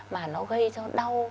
mà nó gây cho đau